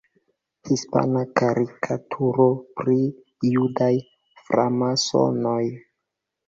Hispana karikaturo pri "judaj framasonoj".